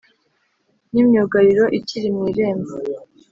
n’imyugariro ikiri mu irembo,